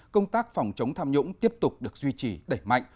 công tác phòng chống tham nhũng tiếp tục được duy trì đẩy mạnh